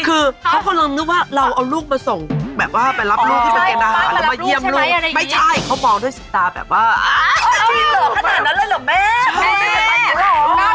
คือเขาคงลองนึกว่าเราเอาลูกมาส่งแบบว่าไปรับลูกขึ้นไปเก็บอาหารแล้วมาเยี่ยมลูกไม่ใช่เขามองด้วยสิทธิ์ตาแบบว่าอ้าวที่เหลือขนาดนั้นเลยเหรอแม่